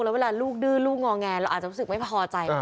แล้วเวลาลูกดื้อลูกงอแงเราอาจจะรู้สึกไม่พอใจ